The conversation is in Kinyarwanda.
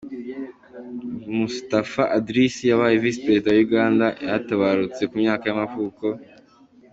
Mustafa Adrisi, wabaye visi perezida wa Uganda yaratabarutse, ku myaka y’amavuko.